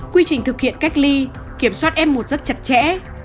quy trình thực hiện cách ly kiểm soát f một rất chặt chẽ